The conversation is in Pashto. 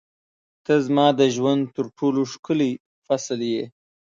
• ته زما د ژوند تر ټولو ښکلی فصل یې.